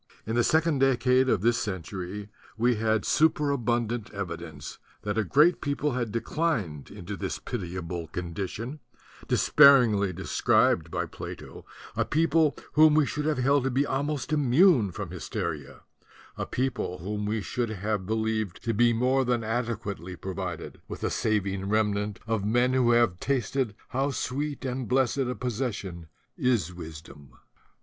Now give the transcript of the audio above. In the second decade of this century we had superabundant evidence that a great people had declined into this pitiable condition, despairingly described by Plato, a people whom we should have held to be almost immune from hysteria, a people whom we should have be lieved to be more than adequately provided with a saving remnant of men who have tasted how sweet and blessed a possession is wisdom.